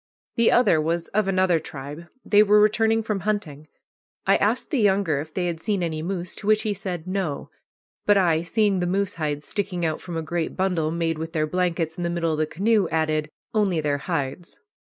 The other was of another tribe. They were returning from hunting. I asked the younger if they had seen any moose, to which he said "No"; but I, seeing the moose hides sticking out from a great bundle made with their blankets in the middle of the canoe, added, "Only their hides."